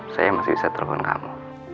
saya masih bisa telepon kamu